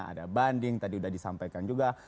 ada banding tadi sudah disampaikan juga